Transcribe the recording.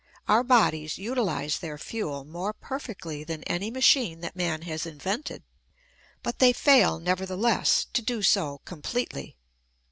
Our bodies utilize their fuel more perfectly than any machine that man has invented; but they fail, nevertheless, to do so completely.